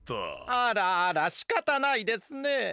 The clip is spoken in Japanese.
あらあらしかたないですね。